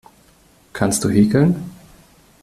Kannst du häkeln?